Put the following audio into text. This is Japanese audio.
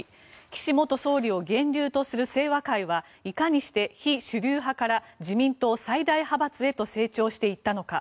岸元総理を源流とする清和会はいかにして非主流派から自民党最大派閥へと成長していったのか。